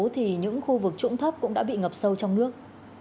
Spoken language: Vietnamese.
thì những khu vực trũng thấp cũng đã bị ngập sâu trong nước